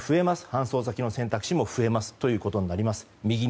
搬送先の選択肢も増えることになります。